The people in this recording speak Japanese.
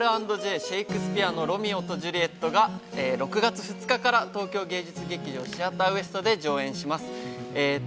◆「Ｒ＆Ｊ／シェイクスピアのロミオとジュリエット」が６月２日から東京芸術劇場シアターウエストで上演します。